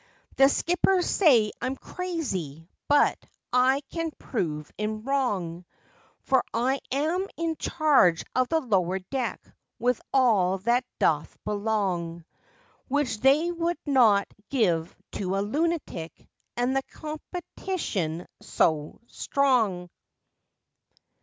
The skippers say I'm crazy, but I can prove 'em wrong, For I am in charge of the lower deck with all that doth belong _Which they would not give to a lunatic, and the competition so strong!